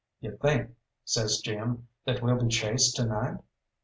"You think," says Jim, "that we'll be chased to night?"